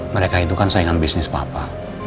mereka itu kan saingan bisnis papa